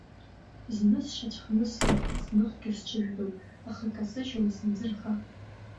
Зны сшьацәхныслоит, зныхгьы сҽыжәлоит, аха икасыжьуам сымӡырха…